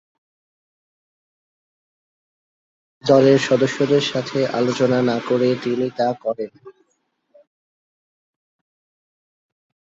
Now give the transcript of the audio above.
দলের সদস্যদের সাথে আলোচনা না করে তিনি তা করেন।